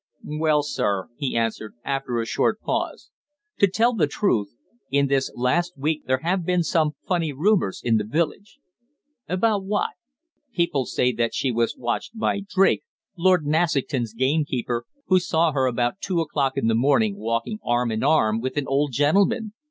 "Well, sir," he answered, after a short pause, "to tell the truth, in this last week there have been some funny rumours in the village." "About what?" "People say that she was watched by Drake, Lord Nassington's gamekeeper, who saw her at two o'clock in the morning walking arm in arm with an old gentleman.